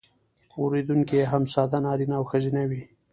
اوریدونکي یې هم ساده نارینه او ښځینه وي.